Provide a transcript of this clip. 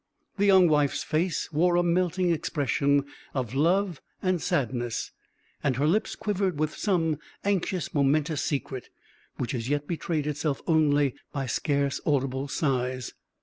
The young wife's face wore a melting expression of love and sadness, and her lips quivered with some anxious, momentous secret, which as yet betrayed itself only by scarce audible sighs.